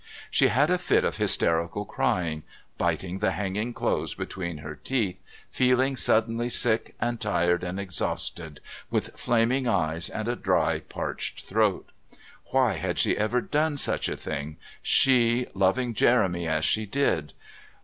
She had a fit of hysterical crying, biting the hanging clothes between her teeth, feeling suddenly sick and tired and exhausted, with flaming eyes and a dry, parched throat. Why had she ever done such a thing, she loving Jeremy as she did?